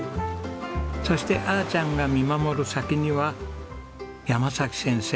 そしてあーちゃんが見守る先には山崎先生。